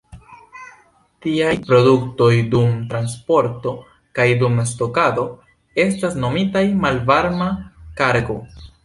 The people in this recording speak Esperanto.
Tiaj produktoj, dum transporto kaj dum stokado, estas nomitaj "malvarma kargo".